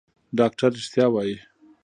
ډاکتر رښتيا وايي.